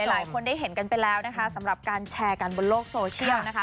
หลายคนได้เห็นกันไปแล้วนะคะสำหรับการแชร์กันบนโลกโซเชียลนะคะ